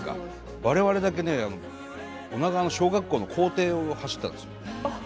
われわれだけ女川の小学校の校庭を走ったんです。